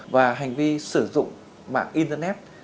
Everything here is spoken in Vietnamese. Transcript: và hành vi sử dụng mạng internet